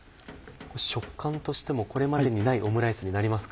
食感としてもこれまでにないオムライスになりますか？